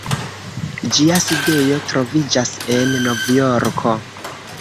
Ĝia sidejo troviĝas en Novjorko.